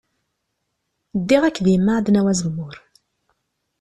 Ddiɣ akked yemma ad d-nawi azemmur.